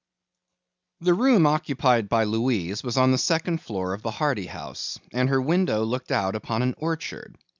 The room occupied by Louise was on the second floor of the Hardy house, and her window looked out upon an orchard.